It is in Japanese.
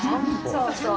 そうそう。